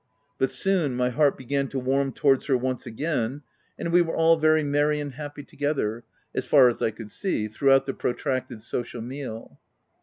But soon, my heart began to warm towards her once again ; and we were all very merry and happy together — as far as I could see — throughout the protracted, social meal.